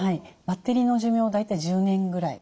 バッテリーの寿命は大体１０年ぐらい。